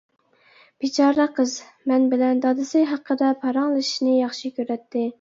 بىچارە قىز مەن بىلەن دادىسى ھەققىدە پاراڭلىشىشنى ياخشى كۆرەتتى.